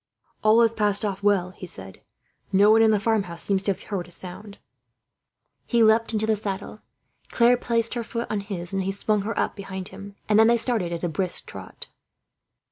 "All has passed off well," he said. "No one in the farmhouse seems to have heard a sound." He leapt into the saddle. Claire placed her foot on his, and he swung her up behind him; and they then started at a brisk trot.